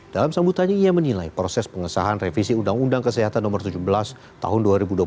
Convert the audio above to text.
dalam sambutannya ia menilai proses pengesahan revisi undang undang kesehatan no tujuh belas tahun dua ribu dua puluh